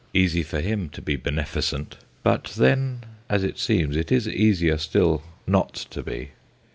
Easy for him to be beneficent, but then, as it seems, it is easier still not to be.